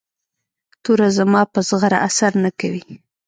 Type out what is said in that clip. توره زما په زغره اثر نه کوي.